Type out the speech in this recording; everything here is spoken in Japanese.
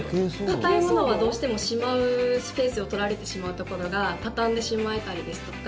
硬いものは、どうしてもしまうスペースを取られてしまうところが畳んで、しまえたりですとか